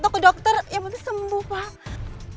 atau ke dokter ya mesti sembuh pak